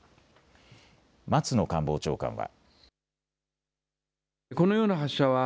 松野官房長官は。